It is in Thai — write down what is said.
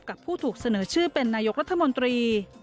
ผู้ถูกเสนอชื่อเป็นนายกรัฐมนตรี